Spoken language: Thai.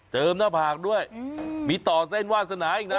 หน้าผากด้วยมีต่อเส้นวาสนาอีกนะ